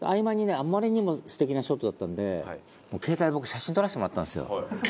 あまりにも素敵なショットだったので携帯で僕写真撮らせてもらったんですよ。